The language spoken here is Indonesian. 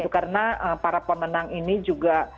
karena para pemenang ini juga